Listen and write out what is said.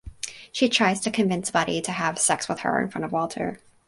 She tries to convince Buddy to have sex with her in front of Walter.